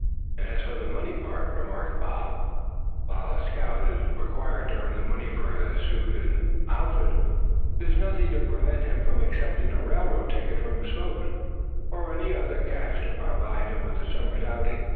"And as for the money part," remarked Bob, "while a scout is required to earn the money for his suit and outfit, there's nothing to prevent him from accepting a railroad ticket from his folks, or any other cash to provide him with a summer's outing.